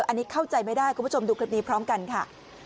อันนี้เข้าใจไม่ได้คุณผู้ชมดูคลิปนี้พร้อมกันค่ะ